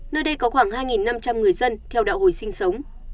nơi đây có khoảng hai năm trăm linh người dân theo đạo hồi sinh sống